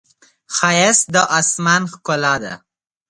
ښایست د آسمان ښکلا ده